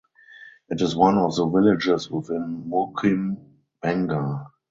It is one of the villages within Mukim Bangar.